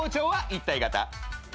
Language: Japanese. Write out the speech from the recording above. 一体型！？